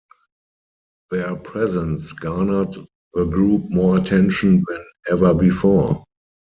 Their presence garnered the group more attention than ever before.